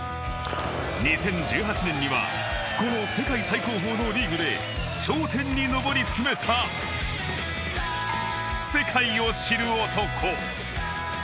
２０１８年にはこの世界最高峰のリーグで頂点に上り詰めた世界を知る男。